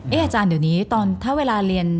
อาจารย์เดี๋ยวนี้ตอนถ้าเวลาเรียน